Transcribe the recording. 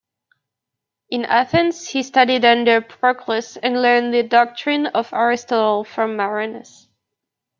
In Athens, he studied under Proclus, and learned the doctrine of Aristotle from Marinus.